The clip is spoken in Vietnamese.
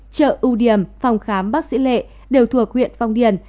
chợ u điềm phòng khám bác sĩ lệ đều thuộc huyện phong điền